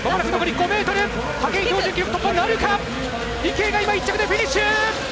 池江が１着でフィニッシュ！